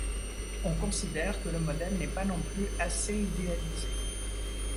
On considère que le modèle n'est pas non plus assez idéalisé.